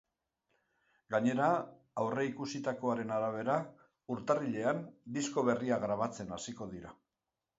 Gainera, aurreikusitakoaren arabera, urtarrilean disko berria grabatzen hasiko dira.